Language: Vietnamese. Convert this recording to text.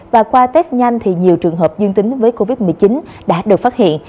và qua test nhanh thì nhiều trường hợp dương tính với covid một mươi chín đã được phát hiện